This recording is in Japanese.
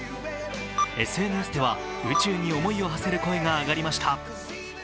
ＳＮＳでは、宇宙に思いをはせる声が上がりました。